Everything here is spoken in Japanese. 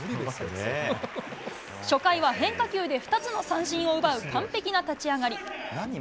初回は変化球で２つの三振を奪う完璧な立ち上がり。